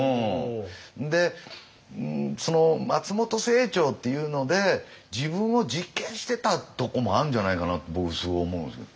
で松本清張っていうので自分を実験してたとこもあるんじゃないかなと僕すごい思うんですよ。